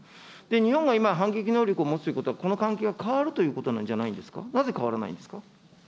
日本が今、反撃能力を持つということは、この関係が変わるということなんじゃないんですか。